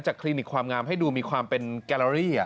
คลินิกความงามให้ดูมีความเป็นแกลลารี่